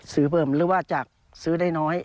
เพิ่มหรือว่าจากซื้อได้น้อย